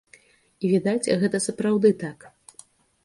І відаць, гэта сапраўды так.